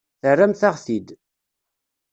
Terramt-aɣ-t-id.